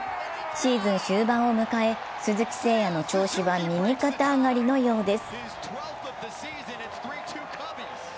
シーズン終盤を迎え鈴木誠也の調子は右肩上がりのようです。